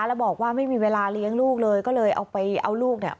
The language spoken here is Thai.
แล้วบอกว่าไม่มีเวลาเลี้ยงลูกเลยก็เลยเอาไปเอาลูกเนี่ย